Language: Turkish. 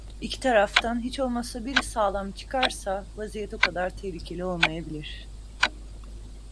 İki taraftan hiç olmazsa biri sağlam çıkarsa vaziyet o kadar tehlikeli olmayabilir.